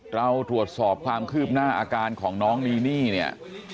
เราตรวจสอบความคืบหน้าอาการของน้องนีนี่เนี่ย